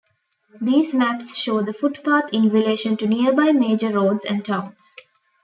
These maps show the footpath in relation to nearby major roads and towns.